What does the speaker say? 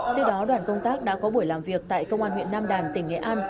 trước đó đoàn công tác đã có buổi làm việc tại công an huyện nam đàn tỉnh nghệ an